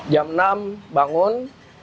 jam enam bangun